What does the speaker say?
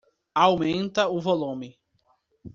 Aumenta o volume.